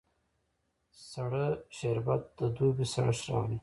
سړه شربت د دوبی سړښت راولي